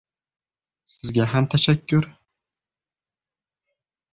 Sizga ham tashakkur!